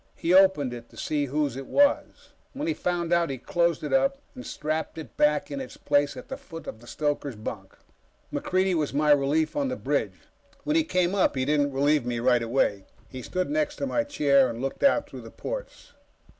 He opened it to see whose it was. When he found out, he closed it up and strapped it back in its place at the foot of the stoker's bunk. MacReidie was my relief on the bridge. When he came up, he didn't relieve me right away. He stood next to my chair and looked out through the ports.